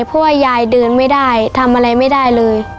เพราะว่ายายเดินไม่ได้ทำอะไรไม่ได้เลย